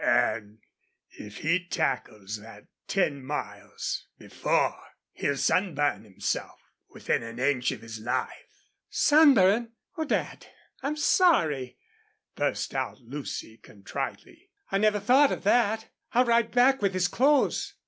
An' if he tackles that ten miles before he'll sunburn himself within an inch of his life." "Sunburn? Oh, Dad! I'm sorry," burst out Lucy, contritely. "I never thought of that. I'll ride back with his clothes."